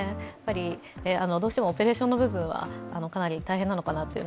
どうしてもオペレーションの部分はかなり大変なのかなという